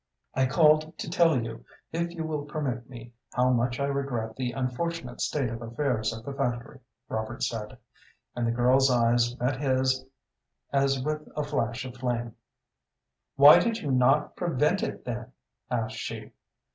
"I called to tell you, if you will permit me, how much I regret the unfortunate state of affairs at the factory," Robert said, and the girl's eyes met his as with a flash of flame. "Why did you not prevent it, then?" asked she.